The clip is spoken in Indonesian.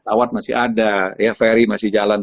awat masih ada ya ferry masih jalan